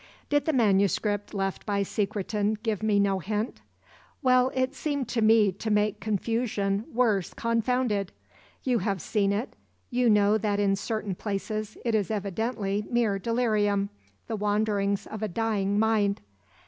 "Did the manuscript left by Secretan give me no hint? Well, it seemed to me to make confusion worse confounded. You have seen it; you know that in certain places it is evidently mere delirium, the wanderings of a dying mind.